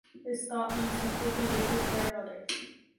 This thought leads him quickly to take care of others.